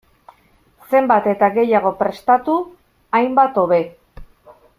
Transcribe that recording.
Zenbat eta gehiago prestatu, hainbat hobe.